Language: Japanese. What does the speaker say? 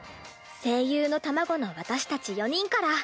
声優の卵の私たち４人から。